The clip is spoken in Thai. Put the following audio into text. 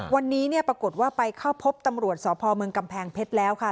วันนี้เนี่ยปรากฏว่าไปเข้าพบตำรวจสพเมืองกำแพงเพชรแล้วค่ะ